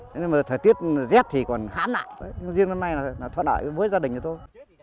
nên mà thời tiết rét thì còn khá nặng nhưng riêng lần này là thoát đại với gia đình cho tôi